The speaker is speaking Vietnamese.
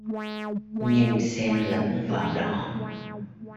Nhưng xen lẫn vào đó